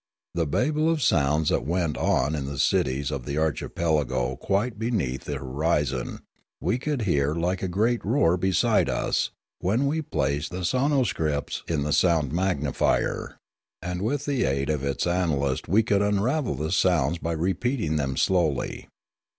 The babel of sounds that went on in the cities of the archipelago quite beneath the hori zon we could hear like a great roar beside us when we placed the sonoscripts in the sound magnifier; and with the aid of its analyst we could unravel the sounds by repeating them slowly.